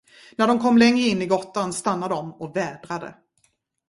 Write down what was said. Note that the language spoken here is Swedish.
När de kom längre in i grottan, stannade de och vädrade.